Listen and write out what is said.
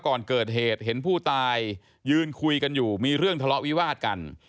ก่อนเกิดเหตุเห็นผู้ตายยืนคุยกันอยู่มีเรื่องทะเลาะวิวาดกัน